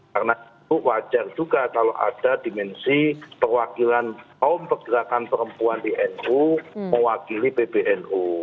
karena itu wajar juga kalau ada dimensi perwakilan kaum pergerakan perempuan di nu mewakili pbnu